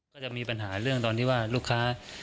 ก็จะมีปัญหาเรื่องตอนที่ว่าลูกค้า